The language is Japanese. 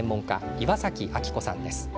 岩崎明子さんです。